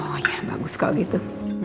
oh ya bagus kalau gitu